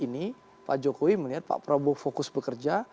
ini pak jokowi melihat pak prabowo fokus bekerja